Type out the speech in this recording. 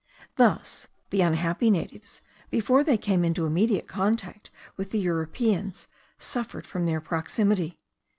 Thus the unhappy natives, before they came into immediate contact with the Europeans, suffered from their proximity.